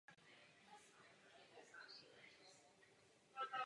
Pojezd lokomotivy tvoří dva dvounápravové podvozky s individuálním pohonem všech dvojkolí.